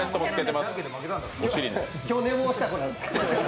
今日、寝坊した子なんですか？